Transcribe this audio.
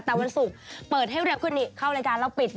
แต่วันศุกร์เปิดให้เร็วขึ้นนี่เข้ารายการแล้วปิด